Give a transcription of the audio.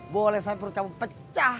boleh sampai perut kamu pecah